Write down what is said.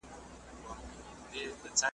وېره حق ده خو له چا؟ .